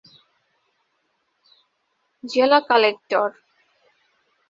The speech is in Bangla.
জেলা কালেক্টর।